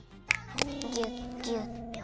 ぎゅっぎゅっ。